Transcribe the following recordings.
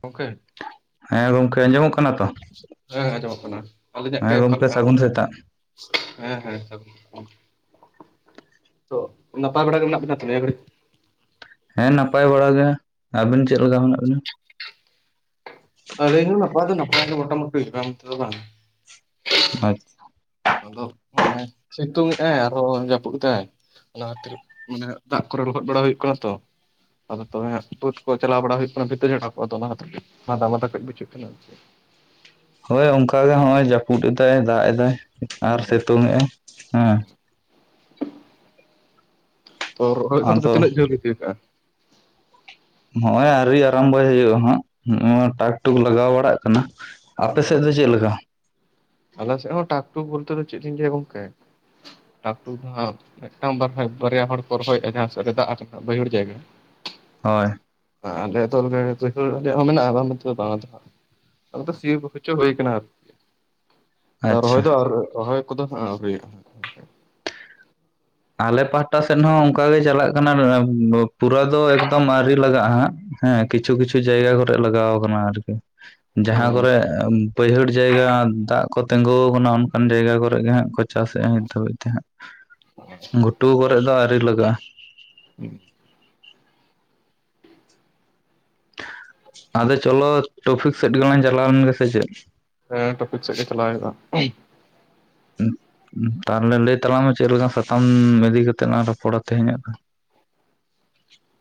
ᱜᱚᱝᱠᱮ ᱦᱮᱞᱳ ᱾ [inaudible] ᱦᱮᱸ ᱜᱚᱢᱠᱮ ᱟᱸᱡᱚᱢᱚᱜ ᱠᱟᱱᱟ ᱛᱚ? ᱦᱮᱸ ᱟᱸᱡᱚᱢᱚᱜ ᱠᱟᱱᱟ ᱾ ᱦᱮᱸ ᱜᱚᱢᱠᱮ ᱥᱟᱹᱜᱩᱱ ᱥᱮᱛᱟᱜ ᱾ ᱦᱮᱸ ᱦᱮᱸ ᱥᱟᱹᱜᱩᱱ ᱥᱮᱛᱟᱜ ᱾ [inaudible] ᱛᱚ ᱱᱟᱯᱟᱭ ᱵᱟᱲᱟ ᱜᱮ ᱢᱮᱱᱟᱜ ᱵᱮᱱᱟ ᱛᱚ ᱱᱤᱭᱟᱹ ᱜᱷᱟᱹᱲᱤᱡ? ᱦᱮᱸ ᱱᱟᱯᱟᱭ ᱵᱟᱲᱟ ᱜᱮ ᱾ ᱟᱵᱤᱱ ᱪᱮᱫ ᱞᱮᱠᱟ ᱢᱮᱱᱟᱜ ᱵᱤᱱᱟ? ᱟᱹᱞᱤᱧ ᱦᱚᱸ ᱱᱟᱯᱟᱭ ᱫᱚ ᱱᱟᱯᱟᱭ ᱵᱟᱲᱟ ᱜᱮ ᱢᱚᱴᱟᱢᱩᱴᱤ [unintelligible] ᱛᱮᱫᱚ ᱦᱟᱸᱜ ᱾ ᱟᱪᱪᱷ ᱟᱫᱚ ᱱᱚᱜ-ᱚᱭ ᱥᱤᱛᱩᱝ ᱮᱜ-ᱟᱭ ᱟᱨᱦᱚᱸ ᱡᱟᱹᱯᱩᱫ ᱮᱫᱟᱭ, ᱚᱱᱟ ᱠᱷᱟᱹᱛᱤᱨ ᱢᱟᱱᱮ ᱫᱟᱜ ᱠᱚᱨᱮ ᱞᱚᱦᱚᱫ ᱵᱟᱲᱟ ᱦᱤᱭᱩᱜ ᱠᱟᱱᱟ ᱛᱚ ᱟᱫᱚ ᱛᱚᱵᱮ ᱦᱟᱸᱜ ᱵᱟᱹᱫᱽ ᱠᱚ ᱪᱟᱞᱟᱣ ᱵᱟᱲᱟ ᱦᱩᱭᱩᱜ ᱠᱟᱱᱟ ᱵᱷᱤᱛᱟᱹ ᱪᱷᱟᱴᱟᱣ ᱠᱚ, ᱟᱫᱚ ᱚᱱᱟ ᱠᱷᱟᱛᱤᱨ ᱢᱟᱫᱟ ᱢᱟᱫᱟ ᱠᱟᱹᱡ ᱵᱩᱡᱷᱟᱹᱜ ᱠᱟᱱᱟ ᱾ ᱦᱳᱭ ᱚᱱᱠᱟᱜᱮ ᱦᱚᱸᱜ-ᱚᱭ ᱡᱟᱹᱯᱩᱫ ᱮᱫᱟᱭ ᱫᱟᱜ ᱮᱫᱟᱭ ᱟᱨ ᱦᱩᱸ ᱥᱤᱛᱩᱝ ᱮᱜᱟᱭ ᱦᱮᱸ ᱾ ᱛᱚ ᱨᱚᱦᱚᱭ ᱠᱚᱫᱚ ᱯᱮ ᱟᱫᱚ ᱛᱱᱟᱹᱜ ᱡᱷᱟᱹᱞ ᱤᱫᱤ ᱠᱟᱜ-ᱟ? ᱱᱚᱜ-ᱚᱭ ᱟᱹᱣᱨᱤ ᱟᱨᱟᱢᱵᱚᱭ ᱦᱩᱭᱩᱜ-ᱟ ᱦᱟᱸᱜ ᱱᱚᱜ-ᱚ ᱱᱚᱣᱟ ᱴᱟᱠ ᱴᱩᱠ ᱞᱟᱜᱟᱣ ᱵᱟᱲᱟᱜ ᱠᱟᱱᱟ ᱾ [inaudible] ᱟᱯᱮ ᱥᱮᱫ ᱫᱚ ᱪᱮᱫ ᱞᱮᱠᱟ? ᱟᱞᱮ ᱥᱮᱫ ᱦᱚᱸ ᱴᱟᱠ ᱴᱩᱠ ᱵᱚᱞᱛᱮ ᱫᱚ ᱪᱮᱫᱤᱧ ᱞᱟᱹᱭᱟ ᱜᱚᱝᱠᱮ ᱴᱟᱠ-ᱴᱩᱠ ᱦᱚᱸ ᱢᱤᱫᱴᱟᱹᱝ ᱵᱟᱠᱷᱨᱟ ᱵᱟᱨᱭᱟ ᱦᱚᱲ ᱠᱚ ᱨᱚᱦᱚᱭ ᱮᱫ-ᱟ ᱡᱟᱦᱟᱸ ᱥᱮᱫ ᱨᱮ ᱫᱟᱜ [unintelligible] ᱵᱟᱹᱭᱦᱟᱹᱲ ᱡᱟᱭᱜᱟ ᱾ ᱦᱚᱭ ᱾ ᱟᱞᱮ ᱫᱚ ᱢᱟᱱᱮ ᱵᱟᱹᱭᱦᱟᱹᱲ ᱨᱮᱦᱚᱸ ᱢᱮᱱᱟᱜ-ᱟ ᱵᱟᱝ ᱢᱮᱱᱛᱮ ᱫᱚ ᱵᱟᱝᱟ, ᱟᱫᱚ ᱦᱟᱸᱜ ᱟᱫᱚ ᱥᱤ ᱦᱚᱪᱚ ᱦᱩᱭ ᱟᱠᱟᱱᱟ ᱟᱨᱠᱤ ᱾ ᱟᱫᱚ ᱟᱪᱪᱷᱟ ᱨᱚᱦᱚᱭ ᱫᱚ ᱟᱨ ᱨᱚᱦᱚᱭ ᱠᱚᱫᱚ ᱦᱟᱸᱜ ᱟᱣᱨᱤᱭᱟᱜ-ᱟ ᱾ ᱟᱞᱮ ᱯᱟᱦᱴᱟ ᱥᱮᱱ ᱦᱚᱸ ᱚᱱᱠᱟ ᱜᱮ ᱪᱟᱞᱟᱜ ᱠᱟᱱᱟ ᱯᱩᱨᱟᱹ ᱫᱚ ᱮᱠᱫᱚᱢ ᱟᱣᱹᱨᱤ ᱞᱟᱜᱟᱜ-ᱟ ᱦᱟᱸᱜ ᱾ ᱦᱮᱸ ᱠᱤᱪᱷᱩ ᱠᱤᱪᱷᱩ ᱡᱟᱭᱜᱟ ᱠᱚᱨᱮ ᱞᱟᱜᱟᱣ ᱟᱠᱟᱱᱟ ᱟᱨᱠᱤ ᱾ ᱡᱟᱦᱟᱸ ᱦᱩᱸ ᱠᱚᱨᱮ ᱵᱟᱹᱭᱦᱟᱹᱲ ᱡᱟᱭᱜᱟ ᱫᱟᱜ ᱠᱚ ᱛᱤᱸᱜᱩ ᱟᱠᱟᱱᱟ ᱚᱱᱠᱟᱱ ᱡᱟᱭᱜᱟ ᱠᱚᱨᱮ ᱜᱮ ᱦᱟᱸᱜ ᱠᱚ ᱪᱟᱥᱮᱫ-ᱟ ᱱᱤᱛ ᱫᱷᱟᱹᱵᱤᱡ ᱛᱮ ᱦᱟᱸᱜ ᱾ [inaudible] ᱜᱷᱩᱴᱩ ᱠᱚᱨᱮᱜ ᱫᱚ ᱟᱹᱣᱨᱤ ᱞᱟᱜᱟᱜ-ᱟ ᱾ [inaudible] ᱟᱫᱚ ᱪᱚᱞᱚ ᱴᱚᱯᱷᱤᱠ ᱥᱮᱫ ᱜᱮᱞᱟᱝ ᱪᱟᱞᱟᱣ ᱞᱮᱱ ᱜᱮ ᱥᱮ ᱪᱮᱫ ᱾ ᱦᱮᱸ ᱴᱚᱯᱤᱠ ᱥᱮᱫ ᱜᱮ ᱪᱟᱞᱟᱣ ᱦᱩᱭᱩᱜ-ᱟ ᱾ ᱛᱟᱦᱞᱮ ᱞᱟᱹᱭ ᱛᱟᱞᱟᱝ ᱢᱮ ᱪᱮᱫ ᱞᱮᱠᱟᱱ ᱥᱟᱛᱟᱢ ᱤᱫᱤ ᱠᱟᱛᱮᱫ ᱞᱟᱝ ᱨᱚᱯᱚᱲᱟ ᱾ ᱛᱮᱦᱮᱸᱧᱟᱜ ᱫᱚ?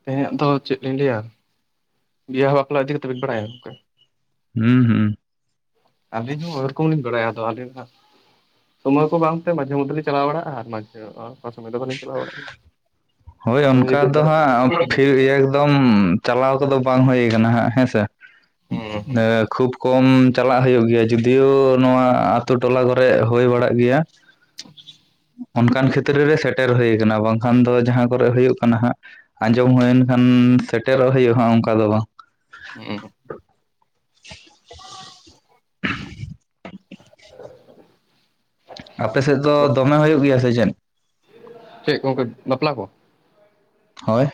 ᱛᱮᱦᱮᱧᱟᱜ ᱫᱚ ᱪᱮᱫ ᱞᱤᱧ ᱞᱟᱹᱭᱟ, [inaudible] ᱵᱤᱦᱟ ᱵᱟᱯᱞᱟ ᱤᱫᱤ ᱠᱟᱛᱮᱫ ᱵᱮᱱ ᱵᱟᱲᱟᱭᱟ ᱚᱱᱠᱟ? ᱦᱩᱸ ᱦᱩᱸ ᱾ ᱟᱹᱞᱤᱧ ᱦᱚᱸ ᱳᱭᱨᱚᱠᱚᱢ ᱞᱤᱧ ᱵᱟᱲᱟᱭᱟ, ᱟᱫᱚ ᱟᱹᱵᱤᱱ ᱦᱟᱸᱜ ᱥᱚᱢᱚᱭ ᱠᱚ ᱵᱟᱝᱛᱮ ᱢᱟᱡᱷᱮ ᱢᱚᱫᱽᱫᱷᱮ ᱞᱤᱧ ᱪᱟᱞᱟᱣ ᱵᱟᱲᱟᱜ-ᱟ ᱟᱨ ᱢᱟᱡᱷᱮ ᱚᱠᱟ ᱥᱚᱢᱚᱭ ᱫᱚ ᱵᱟᱹᱞᱤᱧ ᱪᱟᱞᱟᱣ ᱵᱟᱲᱟᱜ ᱜᱮᱭᱟ ᱾ ᱦᱳᱭ ᱚᱱᱠᱟ ᱫᱚ ᱦᱟᱸᱜ ᱯᱷᱤ ᱮᱠᱫᱚᱢ ᱪᱟᱞᱟᱣ ᱠᱚᱫᱚ ᱵᱟᱝ ᱦᱩᱭ ᱟᱠᱟᱱᱟ ᱦᱟᱸᱜ ᱦᱮᱸᱥᱮ ᱾ [inaudible] ᱮᱻ ᱠᱷᱩᱵ ᱠᱚᱢ ᱪᱟᱞᱟᱜ ᱦᱳᱭᱳᱜ ᱜᱮᱭᱟ ᱡᱩᱫᱤᱭᱳ ᱱᱚᱣᱟ ᱟᱛᱳ ᱴᱚᱞᱟ ᱠᱚᱨᱮᱜ ᱦᱳᱭ ᱵᱟᱲᱟᱜ ᱜᱮᱭᱟ [inaudible] ᱚᱱᱠᱟᱱ ᱠᱷᱮᱛᱨᱮ ᱨᱮ ᱥᱮᱴᱮᱨ ᱦᱳᱭ ᱠᱟᱱᱟ, ᱵᱟᱝᱠᱷᱟᱱ ᱫᱚ ᱡᱟᱦᱟᱸ ᱠᱚᱨᱮ ᱦᱩᱭᱩᱜ ᱠᱟᱱᱟ ᱦᱟᱸᱜ ᱟᱸᱡᱚᱢ ᱦᱩᱭᱮᱱ ᱠᱷᱟᱱ ᱥᱮᱴᱮᱨᱚᱜ ᱦᱳᱭᱩᱜᱼᱟ ᱦᱟᱸᱜ ᱚᱱᱠᱟ ᱫᱚ ᱵᱟᱝ [unintelligible] ᱟᱯᱮ ᱥᱮᱫ ᱫᱚ ᱫᱚᱢᱮ ᱦᱩᱭᱩᱜ ᱜᱮᱭᱟ ᱥᱮ ᱪᱮᱫ? ᱪᱮᱫ ᱜᱚᱝᱠᱮ ᱵᱟᱯᱞᱟ ᱠᱚ? ᱦᱳᱭ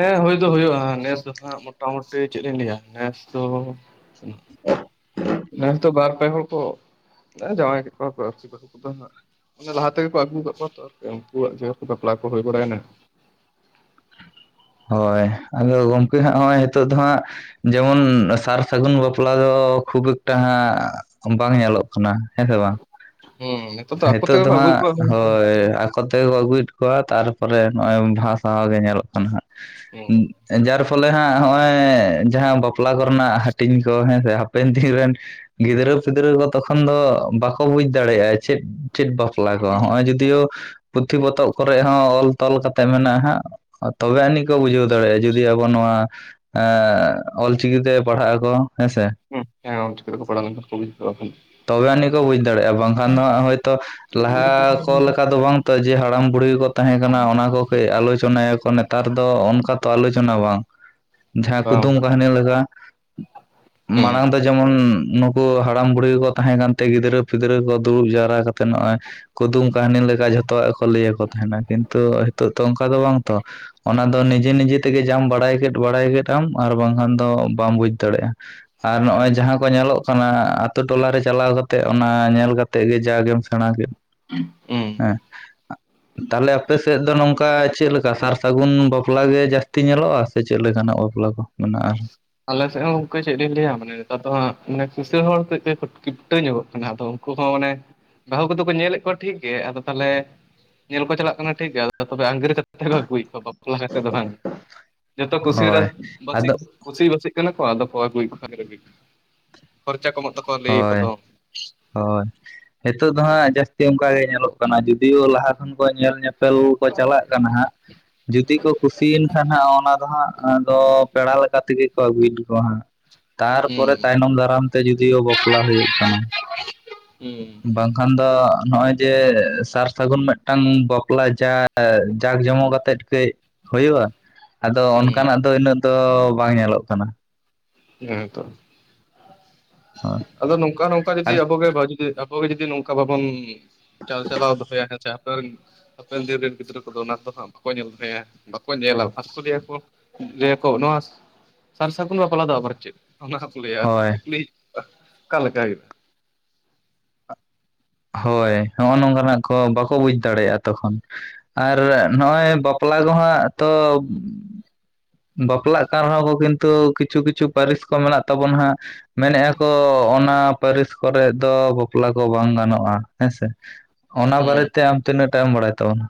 ᱦᱮᱸ ᱦᱩᱭ ᱫᱚ ᱦᱩᱭᱩᱜᱼᱟ ᱱᱮᱥ ᱫᱚ ᱦᱟᱸᱜ ᱢᱳᱚᱴᱟᱢᱩᱴᱤ ᱪᱮᱫ ᱤᱧ ᱞᱟᱹᱭᱟ ᱱᱮᱥ ᱫᱚ [inaudible] ᱱᱮᱥ ᱫᱚ ᱵᱟᱨ ᱯᱮ ᱦᱚᱲ ᱠᱚ, ᱮᱸ ᱡᱟᱶᱟᱭ ᱠᱮᱫ ᱠᱚᱣᱟ ᱠᱚ ᱟᱨᱠᱤ [unintelligible] ᱚᱱᱮ ᱞᱟᱦᱟ ᱛᱮᱜᱮ ᱠᱚ ᱟᱹᱜᱩ ᱠᱟᱫ ᱠᱚᱣᱟ ᱛᱚ ᱟᱨ ᱩᱱᱠᱩᱣᱟᱜ ᱡᱮᱦᱛᱩ ᱵᱟᱯᱞᱟ ᱠᱚ ᱦᱳᱭ ᱵᱟᱲᱟᱭᱱᱟ ᱦᱳᱭ ᱟᱫᱚ ᱜᱚᱢᱠᱮ ᱦᱟᱸᱜ ᱦᱚᱸᱜᱼᱭ ᱦᱤᱛᱳᱜ ᱫᱚ ᱦᱟᱸᱜ ᱡᱮᱢᱚᱱ ᱥᱟᱨ ᱥᱟᱹᱜᱩᱱ ᱵᱟᱯᱞᱟ ᱫᱚ ᱠᱷᱩᱵ ᱮᱠᱴᱟ ᱦᱟᱸᱜ ᱵᱟᱝ ᱧᱮᱞᱚᱜ [unintelligible] ᱦᱮᱸ ᱥᱮ ᱵᱟᱝ, ᱦᱩᱸ ᱱᱤᱛᱚᱜ ᱟᱠᱚ ᱦᱮᱛᱚᱜ ᱛᱮᱜᱮ ᱫᱚ ᱠᱚ ᱟᱹᱜᱩᱭᱮᱫ ᱦᱟᱸᱜ ᱠᱚᱣᱟ ᱦᱩᱸ ᱦᱳᱭ ᱠᱚᱛᱮ ᱠᱚ ᱟᱹᱜᱩᱭᱮᱫ ᱠᱚᱣᱟ ᱛᱟᱨᱯᱚᱨᱮ ᱱᱚᱜᱼᱚᱭ [unintelligible] ᱜᱮ ᱧᱮᱞᱚᱜ ᱠᱟᱱᱟ ᱦᱩᱸ ᱦᱟᱸᱜ ᱡᱟᱨ ᱯᱷᱚᱞᱮ ᱦᱟᱸᱜ ᱦᱚᱜᱼᱚᱭ ᱡᱟᱦᱟᱸ ᱵᱟᱯᱞᱟ ᱠᱚᱨᱮᱱᱟᱜ ᱦᱟᱹᱴᱤᱧ ᱠᱚ ᱦᱮᱸ ᱥᱮ ᱯᱮᱱᱴᱤᱱ ᱨᱮᱱ ᱜᱤᱫᱽᱨᱟᱹ ᱯᱤᱫᱽᱨᱟᱹ ᱠᱚ ᱛᱚᱠᱷᱚᱱ ᱫᱚ ᱵᱟᱠᱚ ᱵᱩᱡᱽ ᱫᱟᱲᱮᱭᱟᱜᱼᱟ ᱪᱮᱫ ᱪᱮᱫ ᱵᱟᱯᱞᱟ ᱠᱚ ᱦᱚᱸᱜᱼᱚᱭ ᱡᱩᱫᱤᱭᱳ ᱯᱩᱛᱷᱤ ᱯᱚᱛᱚᱵ ᱠᱚᱨᱮ ᱦᱚᱸ ᱚᱞ ᱛᱚᱞ ᱠᱟᱛᱮ ᱢᱮᱱᱟᱜᱼᱟ ᱦᱟᱸᱜ ᱛᱚᱵᱮ ᱟᱹᱱᱤᱡ ᱠᱚ ᱵᱩᱡᱷᱟᱹᱣ ᱫᱟᱲᱮᱭᱟᱜᱼᱟ ᱡᱩᱫᱤ ᱟᱵᱚ ᱱᱚᱣᱟ ᱮᱸ ᱚᱞᱪᱤᱠᱤ ᱛᱮ ᱯᱟᱲᱦᱟᱜ ᱟᱠᱚ ᱦᱮᱸ ᱥᱮ [unintelligible] ᱦᱮᱸ ᱚᱞᱪᱤᱠᱤ ᱛᱮ ᱠᱚ ᱯᱟᱲᱦᱟᱣ ᱞᱮᱱᱠᱷᱟᱱ ᱠᱚ ᱵᱩᱡᱽ ᱫᱟᱲᱮᱭᱟᱜᱼᱟ, ᱵᱟᱝᱠᱷᱟᱱ ᱛᱚᱵᱮ ᱟᱹᱱᱤᱡ ᱠᱚ ᱵᱩᱡᱽ ᱫᱟᱲᱮᱜᱼᱟ ᱵᱟᱝᱠᱷᱟᱱ ᱫᱚ ᱦᱟᱸᱜ ᱦᱚᱭᱛᱳ ᱞᱟᱦᱟ ᱠᱚ ᱞᱮᱠᱟ ᱫᱚ ᱵᱟᱝ ᱱᱤᱛᱚᱜ ᱡᱮ ᱦᱟᱲᱟᱢ ᱵᱩᱲᱦᱤ ᱠᱚ ᱛᱟᱦᱮᱸ ᱠᱟᱱᱟ ᱚᱱᱟ ᱠᱚ ᱠᱟᱹᱡ ᱟᱞᱳᱪᱚᱱᱟᱭᱟ ᱠᱚ ᱱᱮᱛᱟᱨ ᱫᱚ ᱚᱱᱠᱟ ᱛᱚ ᱟᱞᱳᱪᱚᱱᱟ ᱵᱟᱝ ᱡᱟᱦᱟᱸ ᱵᱟᱝ ᱠᱩᱫᱩᱢ ᱵᱟᱝ ᱠᱟᱹᱦᱱᱤ ᱞᱮᱠᱟ ᱦᱩᱸ ᱢᱟᱲᱟᱝ ᱫᱚ ᱡᱮᱢᱚᱱ ᱱᱩᱠᱩ ᱦᱟᱲᱟᱢ ᱵᱩᱲᱦᱤ ᱠᱚ ᱛᱟᱦᱮᱸ ᱠᱟᱱᱛᱮ ᱜᱤᱫᱽᱨᱟᱹ ᱯᱤᱫᱽᱨᱟᱹ ᱠᱚ ᱫᱩᱲᱩᱵ ᱡᱟᱣᱨᱟ ᱠᱟᱛᱮ ᱱᱚᱜᱼᱚᱭ ᱠᱩᱫᱩᱢ ᱠᱟᱹᱦᱱᱤ ᱞᱮᱠᱟ ᱡᱷᱚᱛᱚᱣᱟᱜ ᱠᱚ ᱞᱟᱹᱭᱟᱠᱚ ᱛᱟᱦᱮᱱᱟ ᱠᱤᱱᱛᱩ ᱦᱤᱛᱚᱜ ᱛᱚ ᱚᱱᱠᱟ ᱫᱚ ᱵᱟᱝ ᱛᱚ ᱚᱱᱟ ᱫᱚ ᱱᱤᱡᱮ ᱱᱤᱡᱮ ᱛᱮᱜᱮ ᱡᱟᱢ ᱵᱟᱲᱟᱭ ᱠᱮᱫ ᱵᱟᱲᱟᱭ ᱠᱮᱫᱟᱢ ᱟᱨ ᱵᱟᱝᱠᱷᱟᱱ ᱫᱚ ᱵᱟᱢ ᱵᱩᱡᱽ ᱫᱟᱲᱮᱜᱼᱟ ᱟᱨ ᱱᱚᱜᱼᱚᱭ ᱦᱮᱸ ᱡᱟᱦᱟᱸ ᱠᱚ ᱧᱮᱞᱚᱜ ᱠᱟᱱᱟ ᱟᱛᱳ ᱴᱚᱞᱟ ᱨᱮ ᱪᱟᱞᱟᱣ ᱠᱟᱛᱮ ᱚᱱᱟ ᱧᱮᱞ ᱠᱟᱛᱮ ᱜᱮ ᱡᱟᱜᱮᱢ ᱥᱮᱬᱟ ᱠᱮᱫ [inaudible] ᱦᱮᱸ ᱛᱟᱦᱚᱞᱮ ᱟᱯᱮ ᱥᱮᱫ ᱫᱚ ᱱᱚᱝᱠᱟ ᱪᱮᱫᱞᱮᱠᱟ ᱥᱟᱨ ᱥᱟᱹᱜᱩᱱ ᱵᱟᱯᱞᱟ ᱜᱮ ᱡᱟᱹᱥᱛᱤ ᱧᱮᱞᱚᱜᱼᱟ ᱥᱮ ᱪᱮᱫ ᱞᱮᱠᱟᱱᱟᱜ ᱵᱟᱯᱞᱟ ᱠᱚ ᱢᱮᱱᱟᱜ ᱟᱨᱦᱚ ᱟᱞᱮᱥᱮᱫ ᱦᱚᱸ ᱜᱚᱝᱠᱮ ᱪᱮᱫ ᱞᱤᱧ ᱞᱟᱹᱭᱟ ᱢᱟᱱᱮ ᱱᱮᱛᱟᱨ ᱫᱚ ᱦᱟᱸᱜ ᱢᱟᱱᱮ ᱠᱤᱥᱟᱹ ᱲ ᱦᱚᱲ ᱠᱟᱭ ᱠᱤᱯᱴᱟᱹ ᱧᱚᱜᱚᱜ ᱠᱟᱱᱟ ᱟᱫᱚ ᱩᱱᱠᱩ ᱦᱚᱸ ᱢᱟᱱᱮ ᱵᱟᱹᱦᱩ ᱠᱚᱫᱚ ᱠᱚ ᱧᱮᱞᱮᱫ ᱠᱚᱣᱟ ᱴᱷᱤᱠ ᱜᱮ ᱟᱫᱚ ᱛᱟᱦᱚᱞᱮ ᱧᱮᱞ ᱠᱚ ᱪᱟᱞᱟᱜ ᱠᱟᱱᱟ ᱴᱷᱤᱠ ᱜᱮ ᱟᱫᱚ ᱛᱚᱵᱮ ᱟᱹᱜᱤᱨ ᱠᱟᱛᱮ ᱠᱚ ᱟᱹᱜᱩᱭ ᱵᱟᱯᱞᱟ ᱠᱟᱛᱮᱫ ᱫᱚ ᱵᱟᱝ ᱡᱚᱛᱚ ᱠᱩᱥᱤ ᱦᱳᱭ ᱟᱫᱚ [inaudible] ᱠᱩᱥᱤ ᱵᱟᱹᱥᱤᱜ ᱠᱟᱱᱟ ᱠᱚ ᱟᱫᱚ ᱠᱚ ᱟᱹᱜᱩᱭᱮᱫ ᱠᱚᱶᱟ [unintelligible] ᱠᱷᱚᱨᱪᱟ ᱠᱚᱢᱚᱜ ᱛᱟᱠᱚᱣᱟ ᱞᱟᱹᱭ ᱟᱠᱚ ᱦᱳᱭ ᱫᱚ ᱦᱳᱭ ᱦᱤᱛᱚᱜ ᱫᱚ ᱦᱟᱸᱜ ᱡᱟᱹᱥᱛᱤ ᱚᱱᱠᱟ ᱜᱮ ᱧᱮᱞᱚᱜ ᱠᱟᱱᱟ ᱡᱩᱫᱤᱭᱳ ᱞᱟᱦᱟ ᱠᱷᱚᱱ ᱠᱚ ᱧᱮᱞ ᱧᱮᱯᱮᱞ ᱠᱚ ᱪᱟᱞᱟᱜ ᱠᱟᱱᱟ ᱦᱟᱸᱜ ᱡᱩᱫᱤ ᱠᱚ ᱠᱩᱥᱤᱭᱮᱱ ᱠᱷᱟᱱ ᱦᱟᱸᱜ ᱚᱱᱟ ᱫᱚ ᱦᱟᱸᱜ ᱟᱫᱚ ᱯᱮᱲᱟ ᱞᱮᱠᱟ ᱛᱤᱜᱤ ᱠᱚ ᱟᱹᱜᱩᱭᱮᱫ ᱠᱚᱣᱟ ᱦᱟᱸᱜ ᱦᱩᱸ ᱛᱟᱨᱯᱚᱨᱮ ᱛᱟᱭᱱᱚᱢ ᱫᱟᱨᱟᱢ ᱛᱮ ᱡᱩᱫᱤᱳ ᱵᱟᱯᱞᱟ ᱦᱩᱭᱩᱜ ᱠᱟᱱᱟ ᱦᱩᱸ ᱵᱟᱝᱠᱷᱟᱱ ᱫᱚ ᱱᱚᱜᱼᱚᱭ ᱡᱮ ᱥᱟᱨ ᱥᱟᱹᱜᱩᱱ ᱢᱤᱫᱴᱟᱝ ᱵᱟᱯᱞᱟ ᱡᱟᱠ ᱡᱚᱢᱚᱠ ᱠᱟᱛᱮᱜ ᱠᱟᱹᱡ ᱦᱩᱭᱩᱜᱼᱟ ᱟᱫᱚ ᱦᱩᱸ ᱚᱱᱠᱟᱱᱟᱜ ᱫᱚ ᱩᱱᱟᱹᱜ ᱫᱚ ᱵᱟᱝ ᱧᱮᱞᱚᱜ ᱠᱟᱱᱟ ᱦᱮᱸ ᱛᱚ [inaudible] ᱟᱫᱚ ᱱᱚᱝᱠᱟ ᱱᱚᱝᱠᱟ ᱡᱩᱫᱤ ᱟᱨ ᱟᱵᱚᱜᱮ ᱵᱷᱟᱜᱮ ᱛᱮ ᱟᱵᱚᱜᱮ ᱡᱩᱚᱫᱤ ᱱᱚᱝᱠᱟ ᱵᱟᱵᱚᱱ ᱪᱟᱞ ᱪᱟᱞᱟᱶ ᱫᱚᱯᱮᱭᱟ ᱦᱮ ᱥᱮ ᱟᱯᱱᱟᱨ ᱦᱟᱯᱮᱱ ᱫᱤᱱ ᱨᱮᱱ ᱜᱤᱫᱽᱨᱟᱹ ᱠᱚᱫᱚ ᱚᱱᱟ ᱠᱚᱫᱚ ᱦᱟᱸᱜ ᱵᱟᱠᱚ ᱧᱮᱞ ᱞᱟᱦᱟᱭᱟ ᱵᱟᱠᱚ ᱧᱮᱞᱟ ᱵᱟᱥᱠᱚ ᱞᱮᱭᱟᱠᱚ ᱞᱟᱹᱭᱟ ᱠᱚ ᱱᱚᱣᱟ ᱥᱟᱨ-ᱥᱟᱹᱜᱩᱱ ᱵᱟᱯ ᱵᱟᱯᱞᱟ ᱫᱚ ᱟᱵᱟᱨ ᱪᱮᱫ ᱚᱱᱟ ᱦᱚᱸᱠᱚ ᱞᱟᱹᱭᱟ ᱦᱳᱭ ᱠᱩᱠᱟᱞᱤ [inaudible] ᱚᱠᱟ ᱞᱮᱠᱟ ᱦᱩᱭᱩᱜ-ᱟ? ᱦᱚᱭ ᱦᱚᱜ-ᱚ ᱱᱚᱝᱠᱟᱱᱟᱜ ᱠᱚ ᱵᱟᱠᱚ ᱵᱩᱡᱽ ᱫᱟᱲᱮᱭᱟᱜ-ᱟ ᱛᱚᱠᱷᱚᱱ ᱟᱨ ᱱᱚᱜ-ᱚᱭ ᱵᱟᱯᱞᱟ ᱠᱚᱦᱟᱸᱜ ᱛᱚᱵ ᱵᱟᱯᱞᱟᱜ ᱠᱟᱱ ᱨᱮᱦᱚᱸ ᱠᱚ ᱠᱤᱱᱛᱩ ᱠᱤᱪᱷᱩ ᱠᱤᱪᱷᱩ ᱯᱟᱹᱨᱤᱥ ᱠᱚ ᱢᱮᱱᱟᱜ ᱛᱟᱵᱚᱱᱟ ᱦᱟᱸᱜ ᱢᱮᱱᱮᱜ-ᱟ ᱠᱚ ᱚᱱᱟ ᱯᱟᱹᱨᱤᱥ ᱠᱚᱨᱮᱜ ᱫᱚ ᱵᱟᱯᱞᱟ ᱠᱚ ᱵᱟᱝ ᱜᱟᱱᱚᱜ-ᱟ ᱦᱮᱸ ᱥᱮ᱾ ᱚᱱᱟ ᱵᱟᱨᱮ ᱦᱩᱸ ᱛᱮ ᱟᱢ ᱛᱤᱱᱟᱹᱜ ᱴᱟᱜ ᱮᱢ ᱵᱟᱲᱟᱭ ᱛᱟᱵᱚᱱᱟ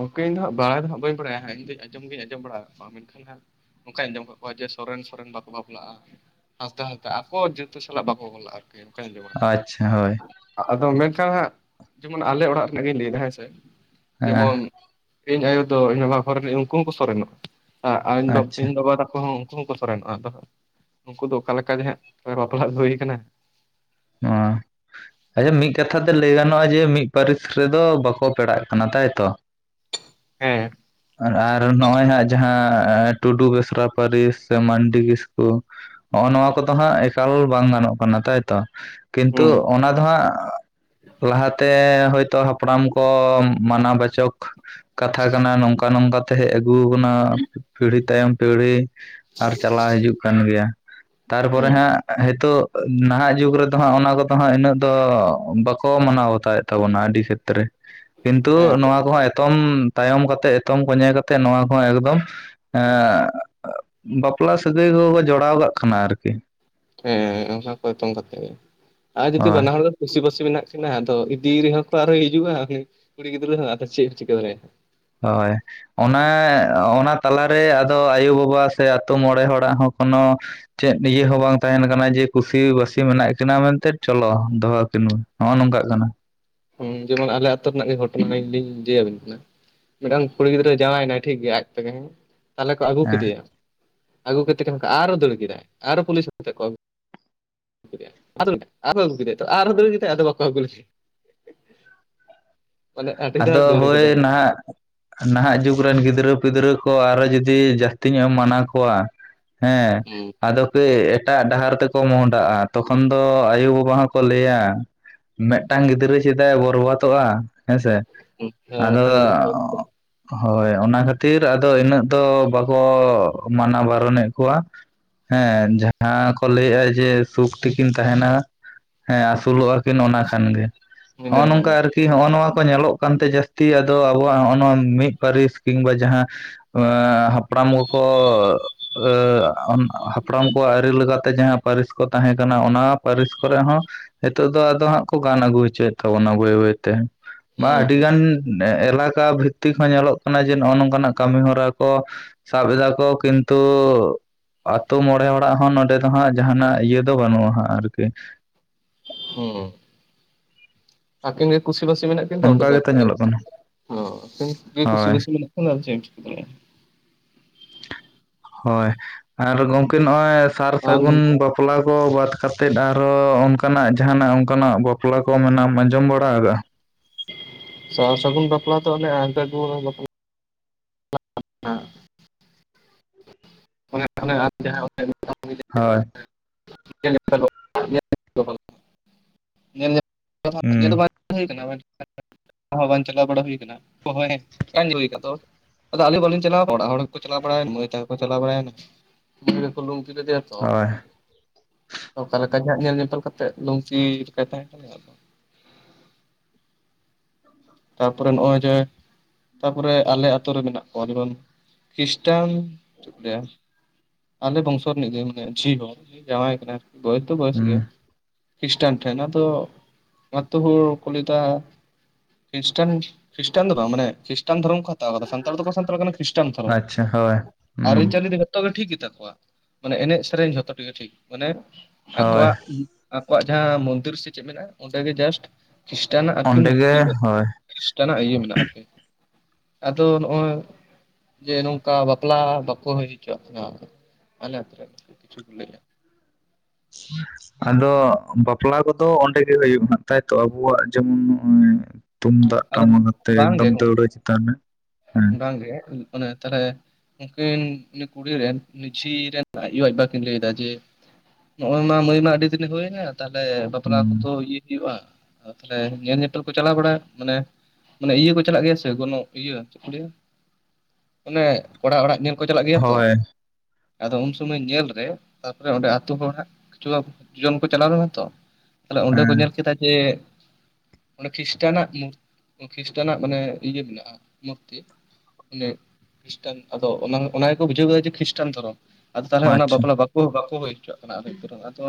ᱚᱝᱠᱮᱧ ᱤᱧ ᱫᱚ ᱦᱟᱸᱜ ᱵᱟᱲᱟᱭ ᱫᱚ ᱦᱟᱸᱜ ᱵᱟᱹᱧ ᱵᱟᱲᱟᱭᱟ ᱦᱟᱸᱜ ᱤᱧ ᱫᱚᱧ ᱟᱸᱡᱚᱢ ᱜᱮᱧ ᱟᱡᱚᱢ ᱵᱟᱲᱟᱣ ᱠᱟᱜ ᱠᱚᱣᱟ ᱢᱮᱱᱠᱷᱟᱱ ᱦᱟᱸᱜ ᱚᱝᱠᱟᱧ ᱟᱸᱡᱚᱢ ᱠᱟᱜ ᱠᱚᱣᱟ ᱡᱮ ᱥᱚᱨᱮᱱ ᱥᱚᱨᱮᱱ ᱵᱟᱠᱚ ᱵᱟᱯᱞᱟᱜ-ᱟ ᱦᱟᱸᱥᱫᱟ ᱦᱟᱸᱥᱫᱟ ᱟᱠᱚ ᱡᱟᱹᱛᱟᱹ ᱥᱟᱞᱟᱜ ᱵᱟᱠᱚ ᱵᱟᱯᱞᱟᱜ-ᱟ ᱟᱨᱠᱤ ᱚᱝᱠᱟᱧ ᱟᱡᱚᱢ ᱠᱟᱜ ᱠᱚᱣᱟ᱾ ᱟᱪᱪᱷᱟ ᱦᱳᱭ ᱟᱫᱚ ᱢᱮᱱᱠᱷᱟᱱ ᱦᱟᱸᱜ ᱡᱮᱢᱚᱱ ᱟᱞᱮ ᱚᱲᱟᱜ ᱨᱮᱱᱟᱜ ᱜᱤᱧ ᱞᱟᱹᱭᱫᱟ ᱦᱮᱸ ᱥᱮ ᱦᱮᱸ ᱡᱮᱢᱚᱱ ᱤᱧ ᱟᱭᱳ ᱫᱚ ᱤᱧ ᱢᱟᱢᱟ ᱜᱷᱚᱨ ᱨᱮᱱᱤᱡ ᱩᱝᱠᱩ ᱦᱚᱸ ᱠᱚ ᱥᱚᱨᱮᱱᱚᱜ-ᱟ ᱟ ᱟᱧ ᱵᱟ ᱟᱪᱪᱷᱟ ᱤᱧ ᱵᱟᱵᱟ ᱛᱟᱠᱚ ᱦᱚᱸ ᱠᱩ ᱦᱚᱸ ᱠᱚ ᱥᱚᱨᱮᱱᱚᱜ-ᱟ ᱟᱫᱚ ᱦᱟᱸᱜ ᱩᱝᱠᱩ ᱫᱚ ᱚᱠᱟ ᱞᱮᱠᱟ ᱜᱮ ᱦᱟᱸᱜ ᱵᱟᱯᱞᱟ ᱟᱹᱜᱩ ᱦᱩᱭ ᱠᱟᱱᱟ ᱚ ᱟᱪᱪᱷᱟ ᱢᱤᱜ ᱠᱟᱛᱷᱟ ᱛᱮ ᱞᱟᱹᱭ ᱜᱟᱱᱚᱜ-ᱟ ᱡᱮ ᱢᱤᱫ ᱯᱟᱹᱨᱤᱥ ᱨᱮᱫᱚ ᱵᱟᱠᱚ ᱯᱮᱲᱟᱜ ᱠᱟᱱᱟ ᱛᱟᱭᱛᱚ? [unintelligible] ᱦᱮᱸ ᱟᱨ ᱱᱚᱜ-ᱚᱭ ᱦᱟᱸᱜ ᱡᱟᱦᱟᱸ ᱴᱩᱰᱩ ᱵᱮᱥᱨᱟ ᱯᱟᱹᱨᱤᱥ ᱥᱮ ᱢᱟᱱᱰᱤ ᱠᱤᱥᱠᱩ ᱦᱚᱜ-ᱚ ᱱᱚᱣᱟ ᱠᱚᱫᱚ ᱦᱟᱸᱜ ᱮᱠᱟᱞ ᱵᱟᱝ ᱜᱟᱱᱚᱜ ᱠᱟᱱᱟ ᱛᱟᱭᱛᱚ? ᱠᱤᱱᱛᱩ ᱦᱩᱸ ᱚᱱᱟ ᱫᱚ ᱦᱟᱸᱜ ᱞᱟᱦᱟ ᱛᱮ ᱦᱳᱭᱛᱳ ᱦᱟᱯᱲᱟᱢ ᱠᱚ ᱢᱟᱱᱟ ᱵᱟᱪᱚᱠ ᱠᱟᱛᱷᱟ ᱠᱟᱱᱟ ᱱᱚᱝᱠᱟ ᱱᱚᱝᱠᱟ ᱛᱮ ᱦᱮᱡ ᱟᱹᱜᱩ ᱠᱟᱱᱟ ᱯᱤᱲᱦᱤ ᱛᱟᱭᱚᱢ ᱯᱤᱲᱦᱤ ᱟᱨ ᱪᱟᱞᱟᱣ ᱦᱤᱡᱩᱜ ᱠᱟᱱ ᱜᱮᱭᱟ ᱛᱟᱨ ᱯᱚᱨᱮ ᱦᱩᱸ ᱦᱟᱸᱜ ᱦᱮᱛᱳᱜ ᱱᱟᱦᱟᱜ ᱡᱩᱜᱽ ᱨᱮ ᱫᱚ ᱦᱟᱸᱜ ᱚᱱᱟ ᱠᱚᱫᱚ ᱦᱟᱸᱜ ᱤᱱᱟᱹᱜ ᱫᱚ ᱵᱟᱠᱚ ᱢᱟᱱᱟᱣ ᱵᱟᱛᱟᱣᱮᱫ ᱛᱟᱵᱚᱱᱟ ᱟᱹᱰᱤ ᱠᱷᱮᱛᱨᱮ ᱠᱤᱱᱛᱩ ᱦᱮᱸ ᱱᱚᱣᱟ ᱠᱚᱦᱟᱸᱜ ᱮᱛᱚᱢ ᱛᱟᱭᱚᱢ ᱠᱟᱛᱮ ᱮᱛᱚᱢ ᱠᱚᱸᱧᱮ ᱠᱟᱛᱮ ᱱᱚᱣᱟ ᱠᱚᱦᱚᱸ ᱮᱠᱫᱚᱢ ᱦᱮᱸ ᱵᱟᱯᱞᱟ ᱥᱟᱹᱜᱟᱹᱭ ᱠᱚᱠᱚ ᱡᱚᱲᱟᱣ ᱠᱟᱜ ᱠᱟᱱᱟ ᱟᱨᱠᱤ ᱦᱮᱸ ᱚᱝᱠᱟ ᱠᱚ ᱮᱛᱚᱢ ᱠᱟᱛᱮᱜ ᱜᱮ ᱟᱨ ᱡᱩᱫᱤ ᱦᱳᱭ ᱵᱟᱱᱟᱦᱚᱲ ᱠᱩᱥᱤ ᱵᱟᱹᱥᱤ ᱢᱮᱱᱟᱜ ᱠᱤᱱᱟᱹ ᱟᱫᱚ ᱤᱫᱤ ᱨᱮᱦᱚᱸ ᱠᱚ ᱟᱨᱦᱚᱸ ᱦᱤᱡᱩᱜ-ᱟ ᱩᱱᱤ ᱠᱩᱲᱤ ᱜᱤᱫᱽᱨᱟᱹ ᱦᱚᱸ ᱟᱫᱚ ᱪᱮᱜ ᱮᱢ ᱪᱤᱠᱟᱹ ᱫᱟᱲᱮᱭᱟᱜ-ᱟ ᱦᱚᱭ ᱚᱱᱟ ᱚᱱᱟ ᱛᱟᱞᱟ ᱨᱮ ᱟᱫᱚ ᱟᱭᱩ-ᱵᱟᱵᱟ ᱥᱮ ᱟᱛᱳ ᱢᱚᱸᱬᱮ ᱦᱚᱲᱟᱜ ᱦᱚᱸ ᱠᱚᱱᱚ ᱪᱮᱫ ᱤᱭᱟᱹ ᱦᱚᱸ ᱵᱟᱝ ᱛᱟᱦᱮᱱ ᱠᱟᱱᱟ ᱡᱮ ᱠᱩᱥᱤ ᱵᱟᱹᱥᱤ ᱢᱮᱱᱟᱜ ᱠᱤᱱᱟᱹ ᱢᱮᱱᱛᱮ ᱪᱚᱞᱚ ᱫᱚᱦᱚᱸ ᱠᱤᱱ ᱦᱚᱜ-ᱚ ᱱᱚᱝ ᱠᱟᱜ ᱠᱟᱱᱟ ᱦᱩᱸ ᱡᱮᱢᱚᱱ ᱟᱞᱮ ᱟᱹᱛᱳ ᱨᱮᱱᱟᱜ ᱜᱮ ᱜᱷᱚᱴᱚᱱᱟ ᱟᱹᱧ ᱞᱤᱧ ᱡᱮᱭᱟᱵᱤᱱ ᱠᱟᱱᱟ ᱢᱮᱴᱟᱝ ᱠᱩᱲᱤ ᱜᱤᱫᱽᱨᱟᱹ ᱡᱟᱶᱟᱭᱱᱟᱭ ᱴᱷᱤᱠ ᱜᱮᱭᱟ ᱟᱡ ᱛᱮᱜᱮ ᱛᱟᱞᱦᱮ ᱠᱚ ᱟᱹᱜᱩ ᱦᱮᱸ ᱠᱮᱫᱮᱭᱟ ᱟᱹᱜᱩ [inaudible] ᱟᱨᱚ ᱫᱟᱹᱲ ᱠᱮᱫᱟᱭ ᱟᱨᱚ ᱯᱩᱞᱤᱥ ᱟᱛᱮᱫ ᱠᱚ ᱟᱹᱜᱩ [inaudible] ᱟᱨᱚ ᱟᱹᱜᱩ ᱠᱮᱫᱮᱭᱟ ᱛᱚ ᱟᱨ ᱦᱚᱸ ᱫᱟᱹᱲ ᱠᱮᱫᱟᱭ ᱟᱫᱚ ᱵᱟᱠᱚ ᱟᱹᱜᱩ ᱞᱮᱫᱮᱭᱟ ᱢᱟᱱᱮ ᱟᱹᱰᱤ ᱫᱷᱟᱣ ᱟᱫᱚ ᱫᱟᱹᱲ ᱠᱟᱫᱟᱭ ᱦᱳᱭ ᱱᱟᱦᱟᱜ ᱱᱟᱦᱟᱜ ᱡᱩᱜᱽ ᱨᱮᱱ ᱜᱤᱫᱽᱨᱟᱹ ᱯᱤᱫᱽᱨᱟᱹ ᱠᱚ ᱟᱨᱚ ᱡᱩᱫᱤ ᱡᱟᱹᱥᱛᱤ ᱧᱚᱜ ᱮᱢ ᱢᱟᱱᱟ ᱠᱚᱣᱟ ᱦᱮᱸ ᱦᱩᱸ ᱟᱫᱚ ᱠᱮ ᱮᱴᱟᱜ ᱰᱟᱦᱟᱨ ᱛᱮᱠᱚ ᱢᱚᱦᱰᱟᱜ-ᱟ ᱛᱚᱠᱷᱚᱱ ᱫᱚ ᱟᱭᱳ-ᱵᱟᱵᱟ ᱦᱚᱸᱠᱚ ᱞᱟᱹᱭᱟ ᱢᱮᱫᱴᱟᱝ ᱜᱤᱫᱽᱨᱟᱹ ᱪᱮᱫᱟᱜ ᱮ ᱵᱚᱨᱵᱟᱛᱚᱜ-ᱟ ᱦᱮᱸ ᱥᱮ᱾ ᱦᱩᱸ ᱦᱮᱸ ᱟᱫᱚᱻ ᱢᱤᱫᱴᱟᱝ ᱜᱤᱫᱽᱨᱟᱹ ᱪᱤᱠᱟᱹ ᱦᱳᱭ ᱚᱱᱟ ᱠᱷᱟᱹᱛᱤᱨ ᱟᱫᱚ ᱤᱱᱟᱹᱜ ᱫᱚ ᱵᱟᱠᱚ ᱢᱟᱱᱟ ᱵᱟᱨᱚ ᱱᱮᱜ ᱠᱚᱣᱟ᱾ ᱦᱮᱸ ᱡᱟᱦᱟᱸ ᱠᱚ ᱞᱟᱹᱭᱮᱜ-ᱟ ᱡᱮ ᱥᱩᱠ ᱛᱤᱠᱤᱱ ᱛᱟᱦᱮᱱᱟ᱾ ᱦᱮᱸ ᱟᱹᱥᱩᱞᱚᱜ-ᱟ ᱠᱤᱱ ᱚᱱᱟ ᱠᱷᱟᱱ ᱜᱮ ᱤᱱᱟᱹ ᱦᱚᱜ-ᱚ ᱠᱷᱟᱱ ᱱᱚᱝᱠᱟ ᱜᱮ ᱟᱨᱠᱤ ᱦᱚᱸᱜ-ᱚ ᱱᱚᱣᱟ ᱠᱚ ᱧᱮᱞᱚᱜ ᱠᱟᱱᱛᱮ ᱡᱟᱹᱥᱛᱤ ᱟᱫᱚ ᱟᱵᱚᱣᱟᱜ ᱦᱚᱜ-ᱚ ᱱᱚᱣᱟ ᱢᱤᱫ ᱯᱟᱹᱨᱤᱥ ᱠᱤᱝᱵᱟ ᱡᱟᱦᱟᱸ ᱦᱟᱯ ᱯᱲᱟᱢ ᱠᱚ ᱠᱚ ᱦᱟᱯᱲᱟᱢ ᱠᱚᱣᱟᱜ ᱟᱹᱨᱤ ᱞᱮᱠᱟᱛᱮ ᱡᱟᱦᱟᱸ ᱯᱟᱹᱨᱤᱥ ᱠᱚ ᱛᱟᱦᱮᱸ ᱠᱟᱱᱟ ᱚᱱᱟ ᱯᱟᱹᱨᱤᱥ ᱠᱚᱨᱮᱜ ᱦᱚᱸ ᱦᱤᱛᱚᱜ ᱫᱚ ᱟᱫᱚ ᱦᱟᱸᱜ ᱠᱚ ᱜᱟᱱ ᱟᱹᱜᱩ ᱦᱚᱪᱚᱭᱮᱫ ᱛᱟᱵᱚᱱᱟ ᱵᱟᱹᱭ ᱵᱟᱹᱭ ᱛᱮ᱾ ᱵᱟ ᱦᱩᱸ ᱟᱹᱰᱤᱜᱟᱱ ᱮᱞᱟᱠᱟ ᱵᱷᱤᱛᱛᱤᱠ ᱦᱚᱸ ᱧᱮᱞᱚᱜ ᱠᱟᱱᱟ ᱡᱮ ᱱᱚᱜ-ᱚ ᱱᱚᱝᱠᱟᱱᱟᱜ ᱠᱟᱹᱢᱤ ᱦᱚᱨᱟ ᱠᱚ ᱥᱟᱵ ᱫᱟᱠᱚ ᱠᱤᱱᱛᱩ ᱟᱛᱳ ᱢᱚᱬᱮ ᱦᱚᱲᱟᱜ ᱦᱚᱸ ᱱᱚᱸᱰᱮ ᱫᱚ ᱦᱟᱸᱜ ᱡᱟᱦᱱᱟᱜ ᱤᱭᱟᱹ ᱫᱚ ᱵᱟᱹᱱᱩᱜ-ᱟ ᱦᱟᱸᱜ ᱟᱨᱠᱤ᱾ ᱦᱩᱸ ᱟᱹᱠᱤᱱ ᱜᱮ ᱠᱩᱥᱤ ᱵᱟᱹᱥᱤ ᱢᱮᱱᱟᱜ ᱠᱤᱱ ᱫᱚ ᱚᱸᱰᱮ ᱚᱱᱠᱟ ᱫᱚ ᱜᱮᱛᱚ ᱪᱮᱫ ᱧᱮᱞᱚᱜ ᱠᱟᱱᱟ ᱮᱢ ᱪᱤᱠᱟᱹᱭᱟ ᱠᱩᱥᱤ ᱦᱳᱭ ᱵᱟᱹᱥᱤ ᱢᱮᱱᱟᱜ ᱚᱱᱟ ᱪᱮᱫ ᱮᱢ ᱪᱤᱠᱟᱹᱭᱟ ᱦᱳᱭ ᱟᱨ ᱜᱚᱝᱠᱮ ᱱᱚᱜ-ᱚᱭ ᱥᱟᱨ ᱟᱨ ᱥᱟᱹᱜᱩᱱ ᱵᱟᱯ ᱵᱟᱯᱞᱟ ᱠᱚ ᱵᱟᱫ ᱠᱟᱛᱮᱫ ᱟᱨᱦᱚᱸ ᱚᱱᱠᱟᱱᱟᱜ ᱡᱟᱦᱟᱱᱟᱜ ᱚᱱᱠᱟᱱᱟᱜ ᱵᱟᱯᱞᱟ ᱠᱚ ᱢᱟᱱᱮ ᱟᱸᱡᱚᱢ ᱵᱟᱲᱟ ᱠᱟᱜ-ᱟ᱾ ᱥᱟᱨ ᱥᱟᱹᱜᱩᱱ ᱵᱟᱯᱞᱟ ᱫᱚ ᱚᱱᱮ ᱟᱫ ᱫᱩᱣᱟᱹ ᱵᱟᱯᱞᱟ [unintelligible] ᱚᱱᱮ ᱟᱢ ᱡᱟᱦᱟᱸ ᱦᱳᱭ [unintelligible] [unintelligible] ᱧᱮᱞ [unintelligible] ᱦᱩᱸ ᱵᱟᱝ ᱦᱩᱭ ᱠᱟᱱᱟ᱾ ᱦᱚᱸ ᱵᱟᱝ ᱪᱟᱞᱟᱣ ᱵᱟᱲᱟ ᱦᱩᱭ ᱠᱟᱱᱟ [unintelligible] ᱟᱫᱚ ᱟᱞᱤᱧ ᱵᱟᱞᱤᱧ ᱪᱟᱞᱟᱣ ᱱᱟ ᱚᱲᱟᱜ ᱦᱚᱲ ᱠᱚ ᱪᱟᱞᱟᱣ ᱵᱟᱲᱟ ᱢᱟᱹᱭ ᱛᱟᱠᱚ ᱡᱚ ᱪᱟᱞᱟ ᱵᱟᱲᱟᱭ ᱱᱟ ᱤᱭᱟᱹ ᱠᱚ ᱞᱩᱝᱛᱤ ᱠᱮᱫᱮᱭᱟ ᱛᱚᱸ ᱦᱳᱭ ᱚᱠᱟ ᱞᱮᱠᱟ ᱡᱟᱦᱟᱸ ᱧᱮᱞ ᱧᱮᱯᱮᱞ ᱠᱟᱛᱮᱜ ᱞᱩᱝᱛᱤ ᱞᱮᱠᱟᱭ ᱛᱟᱦᱮᱸ ᱠᱟᱱᱟ ᱟᱫᱚ ᱛᱟᱯᱚᱨᱮ ᱱᱚᱜ-ᱚᱭ ᱡᱮ ᱛᱟᱯᱚᱨᱮ ᱟᱞᱮ ᱟᱛᱳ ᱨᱮ ᱢᱮᱱᱟᱜ ᱠᱚᱣᱟ ᱡᱮᱢᱚᱱ ᱠᱷᱤᱥᱴᱟᱱ ᱪᱮᱫ ᱠᱚ ᱞᱟᱹᱭᱟ ᱟᱞᱮ ᱵᱚᱝᱥᱚ ᱨᱮᱱᱤᱡᱮ ᱢᱟᱱᱮ ᱡᱷᱤ ᱦᱚᱲ ᱡᱟᱶᱟᱭ ᱠᱟᱱᱟ ᱵᱚᱭᱮᱥ ᱫᱚ ᱵᱚᱭᱮᱥ ᱦᱩᱸ ᱜᱮᱭᱟ ᱠᱷᱨᱤᱥᱴᱟᱱ ᱴᱷᱮᱱ ᱟᱫᱚ ᱟᱛᱳ ᱦᱚᱲ ᱠᱚ ᱞᱟᱹᱭ ᱫᱟ ᱠᱷᱤᱥᱴᱟᱱ ᱠᱷᱤᱥᱴᱟᱱ ᱫᱚ ᱵᱟᱝ ᱢᱟᱱᱮ ᱠᱷᱤᱥᱴᱟᱱ ᱫᱷᱚᱨᱚᱢ ᱠᱚ ᱥᱟᱱᱛᱟᱲ ᱫᱚᱠᱚ ᱥᱟᱱᱛᱟᱲ ᱠᱟᱱᱟ ᱠᱷᱨᱤᱥᱴᱟᱱ ᱫᱷᱚᱨᱚᱢ ᱟᱪᱪᱷᱟ ᱦᱳᱭ ᱦᱩᱸ ᱟᱹᱨᱤ ᱪᱟᱹᱞᱤ ᱡᱚᱛᱚ ᱜᱮ ᱴᱷᱤᱠ ᱜᱮᱛᱟ ᱠᱚᱣᱟ ᱢᱟᱱᱮ ᱮᱱᱮᱡ ᱥᱮᱨᱮᱧ ᱡᱷᱚᱛᱚ ᱜᱮ ᱴᱷᱤᱠ ᱢᱟᱱᱮ ᱦᱳᱭ ᱟᱠᱚᱣᱟᱜ ᱟᱠᱚᱣᱟᱜ ᱡᱟᱦᱟᱸ ᱢᱚᱱᱫᱤᱨ ᱥᱮ ᱪᱮᱫ ᱢᱮᱱᱟᱜ-ᱟ ᱚᱸᱰᱮᱜᱮ ᱡᱟᱥᱴ ᱠᱷᱨᱤᱥᱴᱱᱟᱜ ᱟᱨᱠᱤ ᱚᱸᱰᱮ ᱜᱮ ᱢᱩᱨᱛᱤ ᱢᱮᱱᱟᱜ-ᱟ᱾ ᱦᱳᱭ ᱠᱷᱤᱥᱴᱟᱱᱟᱜ ᱤᱭᱟᱹ ᱢᱮᱱᱟᱜ ᱟᱨᱠᱤ ᱟᱫᱚ ᱱᱚᱜ-ᱚᱭ ᱡᱮ ᱱᱚᱝᱠᱟ ᱵᱟᱯᱞᱟ ᱵᱟᱠᱚ ᱦᱩᱭ ᱦᱚᱪᱚᱣᱟᱜ ᱠᱟᱱᱟ ᱟᱞᱮ ᱟᱹᱛᱩ ᱨᱮ ᱠᱤᱪᱷᱩ ᱠᱚ ᱞᱟᱹᱭᱟ᱾ [inaudible] ᱟᱫᱚ ᱵᱟᱯᱞᱟ ᱠᱚᱫᱚ ᱚᱸᱰᱮ ᱜᱮ ᱦᱩᱭᱩᱜ ᱢᱟ ᱛᱟᱭ ᱛᱚ ᱟᱵᱚᱣᱟᱜ ᱡᱮᱢᱚᱱ ᱱᱚᱜ-ᱚᱭ ᱛᱩᱢᱫᱟᱜ ᱟᱫᱚ ᱴᱟᱢᱟᱠ ᱟᱛᱮᱜ ᱮᱠᱫᱚᱢ ᱫᱟᱹᱣᱲᱟᱹ ᱪᱮᱛᱟᱱ ᱨᱮ ᱦᱮᱸ᱾ ᱵᱟᱝ ᱜᱮ ᱢᱟᱱᱮ ᱛᱟᱞᱦᱮ ᱩᱱᱠᱤᱱ ᱠᱩᱲᱤ ᱨᱮᱱ ᱡᱷᱤ ᱨᱮᱱ, ᱟᱭᱩ ᱵᱟᱵᱟ ᱠᱤᱱ ᱞᱟᱹᱭᱫᱟ ᱡᱮ ᱱᱚᱜ-ᱚᱭ ᱢᱟ ᱢᱟᱹᱭ ᱢᱟ ᱟᱹᱰᱤ ᱫᱤᱱᱮ ᱦᱩᱭᱱᱟ ᱛᱟᱦᱚᱞᱮ ᱵᱟᱯᱞᱟ ᱦᱩᱸ ᱠᱚᱫᱚ ᱤᱭᱟᱹ ᱦᱩᱭᱩᱜᱼᱟ ᱛᱟᱞᱦᱮ ᱧᱮᱞ ᱧᱮᱯᱮᱞ ᱠᱚ ᱪᱟᱞᱟᱣ ᱵᱟᱲᱟ ᱢᱟᱱᱮ ᱢᱟᱱᱮ ᱤᱭᱟᱹ ᱠᱚ ᱪᱟᱞᱟᱜ ᱜᱮᱭᱟ ᱥᱮ ᱜᱚᱱᱚ ᱤᱭᱟᱹ ᱪᱮᱫ ᱠᱚ ᱠᱟᱹᱭᱟ ᱚᱱᱮ ᱠᱚᱲᱟ ᱚᱲᱟᱜ ᱧᱮᱞ ᱠᱚ ᱪᱟᱞᱟᱜ ᱜᱮᱭᱟ ᱛᱚ ᱦᱳᱭ ᱟᱫᱚ ᱩᱱ ᱥᱩᱢᱚᱭ ᱧᱮᱞ ᱨᱮ ᱛᱟᱯᱚᱨᱮ ᱚᱸᱰᱮ ᱟᱛᱳ ᱦᱚᱲ ᱦᱟᱜ [unintelligible] ᱡᱚᱢ ᱠᱚ ᱪᱟᱞᱟᱣ ᱞᱮᱱᱟ ᱛᱚ᱾ ᱛᱟᱦᱚᱞᱮ ᱚᱸᱰᱮ ᱠᱚ ᱦᱮᱸ ᱧᱮᱞ ᱠᱮᱫᱟ ᱡᱮ ᱚᱸᱰᱮ ᱠᱷᱤᱥᱴᱱᱟᱜ ᱠᱷᱤᱥᱴᱱᱟᱜ ᱢᱟᱱᱮ ᱤᱭᱟᱹ ᱢᱮᱱᱟᱜᱼᱟ ᱢᱩᱨᱛᱤ᱾ ᱢᱟᱱᱮ ᱠᱷᱤᱥᱴᱟᱱ ᱟᱫᱚ ᱚᱱᱟ ᱜᱮᱠᱚ ᱵᱩᱡᱷᱟᱹᱣ ᱠᱮᱫᱟ ᱡᱮ ᱠᱷᱨᱤᱥᱴᱟᱱ ᱫᱷᱚᱨᱚᱢ, ᱟᱫᱚ ᱛᱟᱦᱚᱞᱮ ᱚᱱᱟ ᱟᱪᱪᱷᱟ ᱵᱟᱯᱞᱟ ᱵᱟ ᱚ ᱵᱟᱠᱚ ᱦᱩᱭ ᱦᱚᱪᱚᱣᱟᱜ ᱠᱟᱱᱟ, ᱟᱫᱚ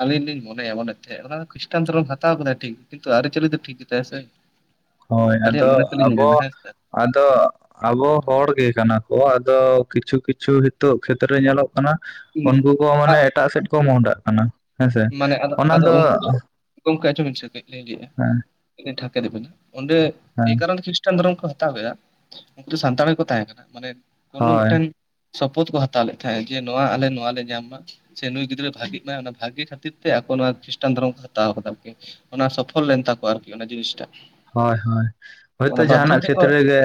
ᱟᱹᱞᱤᱧ ᱞᱤᱧ ᱢᱚᱱᱮᱭᱟ ᱢᱚᱱᱮᱛᱮ ᱚᱱᱟ ᱠᱷᱨᱤᱥᱴᱟᱱ ᱫᱷᱚᱨᱚᱢ ᱦᱟᱛᱟᱣ ᱠᱟᱫᱟ ᱴᱷᱤᱠ ᱠᱤᱱᱛᱩ ᱟᱹᱨᱤᱪᱟᱹᱞᱤ ᱫᱚ ᱴᱷᱤᱠ ᱜᱮᱛᱟᱭᱟ ᱥᱮ ᱾ ᱦᱳᱭ ᱟᱫᱚ ᱟᱵᱚ ᱦᱮᱸ ᱥᱮ ᱟᱫᱚ ᱟᱵᱚ ᱦᱚᱲ ᱜᱮ ᱠᱟᱱᱟ ᱠᱚ ᱟᱫᱚ ᱠᱤᱪᱷᱩ ᱠᱤᱪᱷᱩ ᱱᱤᱛᱚᱜ ᱠᱷᱮᱛᱨᱮ ᱧᱮᱞᱚᱜ ᱠᱟᱱᱟ ᱩᱱᱠᱩ ᱠᱚ ᱢᱟᱱᱮ ᱟᱜ ᱮᱴᱟᱜ ᱥᱮᱫ ᱠᱚ ᱢᱚᱦᱰᱟᱜ ᱠᱟᱱᱟ, ᱦᱮᱸᱥᱮ ᱚᱱᱟ ᱫᱚ ᱜᱚᱝᱠᱮ ᱟᱡᱚᱢ ᱵᱤᱱ ᱥᱮ ᱠᱟᱹᱡ ᱞᱤᱧ ᱞᱟᱹᱭᱮᱫᱼᱟ᱾ ᱦᱮᱸ, ᱴᱷᱟᱠ ᱫᱤᱵᱤ ᱚᱸᱰᱮ ᱮᱭ ᱦᱮᱸ ᱠᱟᱨᱚᱱ ᱠᱷᱤᱥᱴᱟᱱ ᱫᱷᱚᱨᱚᱢ ᱠᱚ ᱦᱟᱛᱟᱣ ᱠᱮᱜᱼᱟ ᱩᱱᱠᱩ ᱫᱚ ᱥᱟᱱᱛᱟᱲ ᱜᱮ ᱠᱚ ᱛᱟᱦᱮᱸ ᱠᱟᱱᱟ᱾ ᱢᱟᱱᱮ ᱠᱳᱱᱳ ᱦᱳᱭ ᱢᱤᱫᱴᱮᱱ, ᱥᱚᱯᱚᱦᱚᱫ ᱠᱚ ᱦᱟᱛᱟᱣ ᱞᱮᱫ ᱛᱟᱦᱮᱸᱜ ᱡᱮ ᱱᱚᱣᱟ ᱟᱞᱮ ᱱᱚᱣᱟ ᱞᱮ ᱧᱟᱢ ᱢᱟ ᱥᱮ ᱱᱩᱭ ᱜᱤᱫᱽᱨᱟᱹ ᱵᱷᱟᱜᱤᱜ ᱢᱟᱭ ᱵᱷᱟᱜᱮ ᱠᱷᱛᱤᱨ ᱠᱷᱟᱹᱛᱤᱨ ᱛᱮ ᱟᱠᱚ ᱱᱚᱣᱟ ᱠᱷᱨᱤᱥᱴᱟᱱ ᱫᱷᱚᱨᱚᱢ ᱠᱚ ᱦᱟᱛᱟᱣ ᱠᱟᱫᱟ ᱟᱨᱠᱤ ᱚᱱᱟ ᱥᱚᱯᱷᱚᱞ ᱞᱮᱱ ᱛᱟᱠᱚᱣᱟ ᱟᱨᱠᱤ ᱚᱱᱟ ᱡᱤᱱᱤᱥᱴᱟᱜ ᱾ ᱦᱳᱭ ᱦᱳᱭ ᱦᱳᱭ ᱛᱚ ᱡᱟᱦᱟᱱᱟᱜ ᱠᱷᱮᱛᱨᱮ ᱡᱮ,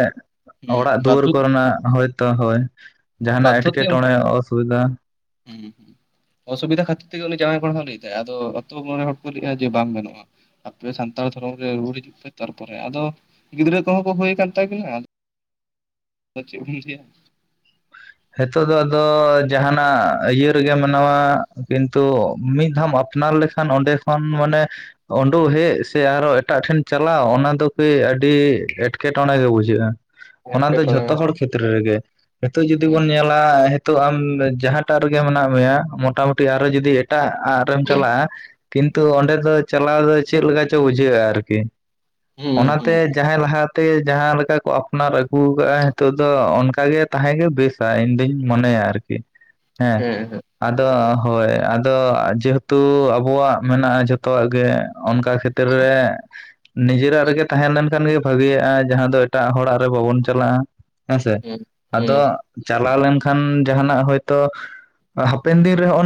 ᱦᱩᱸ ᱚᱲᱟᱜ ᱫᱩᱣᱟᱹᱨ ᱵᱟᱫᱽᱫᱷᱚ ᱠᱚᱨᱮᱱᱟᱜ ᱦᱳᱭ ᱛᱚ ᱦᱳᱭ ᱡᱟᱦᱱᱟᱜ ᱵᱟᱫᱽᱫᱷᱚ ᱛᱮ ᱩᱱᱠᱩ ᱮᱴᱠᱮᱴᱚᱬᱮ ᱚᱥᱩᱵᱤᱫᱷᱟ ᱦᱩᱸ ᱚᱥᱩᱵᱤᱫᱷᱟ ᱠᱷᱟᱛᱤᱨ ᱛᱮ ᱩᱱᱤ ᱡᱟᱦᱟᱸᱭ ᱞᱟᱹᱭ ᱟᱫᱚ ᱟᱛᱳ ᱦᱚᱲ ᱠᱚ ᱞᱟᱹᱭᱼᱟ ᱡᱮ ᱵᱟᱝ ᱜᱟᱱᱚᱜᱼᱟ ᱾ ᱟᱯᱮ ᱥᱟᱱᱛᱟᱲ ᱫᱷᱚᱨᱚᱢ ᱨᱮ ᱨᱩᱣᱟᱹᱲ ᱦᱤᱡᱩᱜ ᱯᱮ ᱛᱟᱨᱯᱚᱨᱮ, ᱟᱫᱚ ᱜᱤᱫᱽᱨᱟᱹ ᱠᱚᱦᱚᱸ ᱠᱚ ᱦᱩᱭ ᱠᱟᱱ ᱛᱟᱠᱤᱱᱟ ᱪᱮᱫ ᱮᱢ ᱞᱟᱹᱭᱟ, ᱦᱤᱛᱚᱜ ᱫᱚ ᱟᱫᱚ ᱡᱟᱦᱟᱱᱟᱜ ᱤᱭᱟᱹ ᱨᱮᱜᱮ ᱢᱟᱱᱟᱣᱟ ᱠᱤᱱᱛᱩ ᱢᱤᱫ ᱫᱷᱟᱣ ᱟᱯᱱᱟᱨ ᱞᱮᱠᱷᱟᱱ ᱚᱸᱰᱮ ᱠᱷᱚᱱ ᱢᱟᱱᱮ ᱩᱰᱩᱠ ᱦᱮᱡ ᱥᱮ ᱟᱨᱚ ᱮᱴᱟᱜ ᱴᱷᱮᱱ ᱪᱟᱞᱟᱣ, ᱚᱱᱟ ᱫᱚ ᱠᱤ ᱟᱹᱰᱤ ᱮᱴᱠᱮᱴᱚᱬᱮ ᱜᱮ ᱵᱩᱡᱷᱟᱹᱜᱼᱟ ᱾ ᱚᱱᱟ ᱫᱚ ᱮᱴᱠᱮᱴᱚᱬᱮ ᱡᱷᱚᱛᱚ ᱦᱚᱲ ᱠᱷᱮᱛᱨᱮ ᱨᱮᱜᱮ᱾ ᱱᱤᱛᱳᱜ ᱡᱩᱫᱤ ᱵᱚᱱ ᱦᱮᱸ ᱧᱮᱞᱟ ᱱᱤᱛᱚᱜ ᱟᱢ ᱡᱟᱦᱟᱸᱴᱟᱜ ᱨᱮᱜᱮ ᱢᱮᱱᱟᱜ ᱢᱮᱭᱟ ᱢᱚᱴᱟᱢᱩᱴᱤ ᱟᱨᱚ ᱡᱩᱫᱤ ᱮᱴᱟᱜ ᱟᱜ, ᱨᱮᱢ ᱪᱟᱞᱟᱜᱼᱟ ᱠᱤᱱᱛᱩ ᱚᱸᱰᱮ ᱫᱚ ᱪᱟᱞᱟᱣ ᱫᱚ ᱪᱮᱫ ᱞᱮᱠᱟ ᱪᱚ ᱵᱩᱡᱷᱟᱹᱜᱼᱟ ᱟᱨᱠᱤ ᱾ ᱦᱮᱸ ᱚᱱᱟᱛᱮ ᱡᱟᱦᱟᱸᱭ ᱞᱟᱦᱟ ᱛᱮ ᱡᱟᱦᱟᱸ ᱞᱮᱠᱟ ᱠᱚ ᱟᱯᱱᱟᱨ ᱟᱹᱜᱩ ᱟᱠᱟᱜᱼᱟ ᱱᱤᱛᱚᱜ ᱫᱚ ᱚᱱᱠᱟ ᱜᱮ ᱛᱟᱦᱮᱸ ᱜᱮ ᱵᱮᱥ ᱤᱧ ᱫᱩᱧ ᱢᱚᱱᱮᱭᱟ ᱟᱨᱠᱤ ᱦᱮᱸ ᱾ ᱟᱫᱚ ᱦᱳᱭ ᱟᱫᱚ ᱡᱮᱦᱮᱛᱩ ᱟᱵᱚᱣᱟᱜ ᱢᱮᱱᱟᱜᱼᱟ ᱡᱚᱛᱚᱣᱟᱜ ᱜᱮ ᱚᱱᱠᱟ ᱠᱷᱮᱛᱨᱮ, ᱵᱷᱤᱛᱤᱨ ᱨᱮ, ᱱᱤᱡᱮᱨᱟᱜ ᱨᱮᱜᱮ ᱛᱟᱦᱮᱸ ᱞᱮᱱᱠᱷᱟᱱ ᱜᱮ ᱵᱷᱟᱜᱤᱭᱟᱜᱼᱟ, ᱡᱟᱦᱟᱸ ᱫᱚ ᱮᱴᱟᱜ ᱦᱚᱲᱟᱜ ᱨᱮ ᱵᱟᱵᱚᱱ ᱪᱟᱞᱟᱜᱼᱟ ᱾ ᱦᱮᱸ ᱥᱮ ᱟᱫᱚ ᱪᱟᱞᱟᱣ ᱞᱮᱱᱠᱷᱟᱱ ᱡᱟᱦᱟᱱᱟᱜ ᱦᱳᱭ‌ ᱛᱚ ᱦᱟᱯᱮᱱ ᱫᱤᱱ ᱨᱮ ᱦᱚᱭᱼᱚᱭ ᱱᱚᱝᱠᱟ